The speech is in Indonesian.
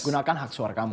gunakan hak suara kamu